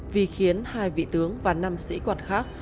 vì khiến hai vị tướng và năm sĩ quan khác